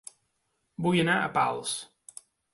Vull anar a Pals